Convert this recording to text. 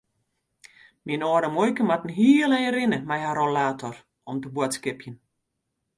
Myn âlde muoike moat in heel ein rinne mei har rollator om te boadskipjen.